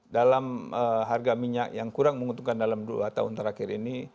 dalam harga minyak yang kurang menguntungkan dalam dua tahun terakhir ini